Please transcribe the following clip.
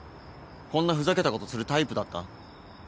こんなふざけたことするタイプだった？